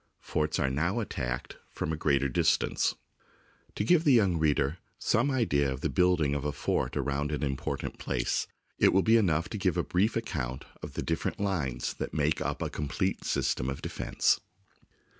Forts are now attacked from a greater distance. To give the young reader some idea of the building of a fort around an important place, it will be enough to give a brief account of the dif THE SIEGE OF ANTWERP ferent lines that made up a complete system of defence.